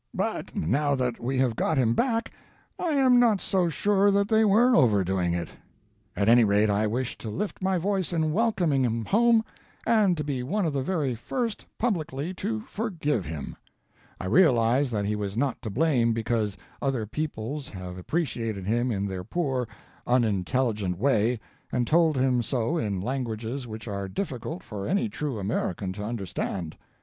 "But now that we have got him back, I am not so sure that they were overdoing it. At any rate, I wish to lift my voice in welcoming him home, and to be one of the very first publicly to forgive him. I realize that he was not to blame because other peoples have appreciated him in their poor, unintelligent way, and told him so in languages which are difficult for any true American to understand.